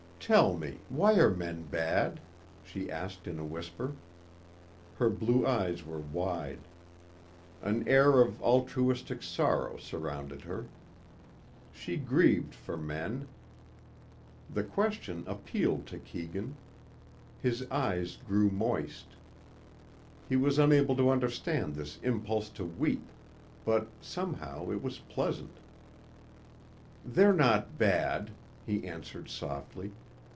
"Tell me, why are men bad?" she asked in a whisper. Her blue eyes were wide. An air of altruistic sorrow surrounded her. She grieved for men. The question appealed to Keegan. His eyes grew moist. He was unable to understand this impulse to weep. But somehow it was pleasant. "They're not bad," he answered softly.